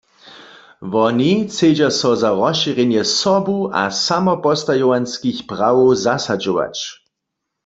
Woni chcedźa so za rozšěrjenje sobu- a samopostajowanskich prawow zasadźować.